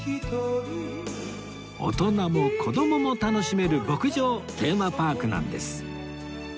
大人も子どもも楽しめる牧場テーマパークなんです